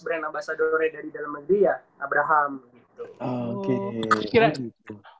brand ambassador dari dalam negeri ya abraham gitu